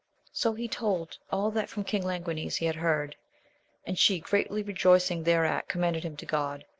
So he told all that from King Languines he had heard, and she, greatly rejoicing thereat, commended him to God.